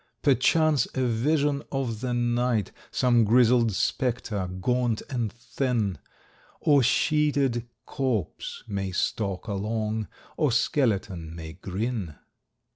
Perchance a vision of the night, Some grizzled spectre, gaunt and thin, Or sheeted corpse, may stalk along, Or skeleton may grin.